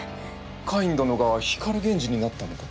カイン殿が光源氏になったのか？